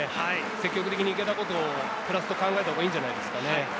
積極的に行けたことをプラスと考えたほうがいいんじゃないですかね。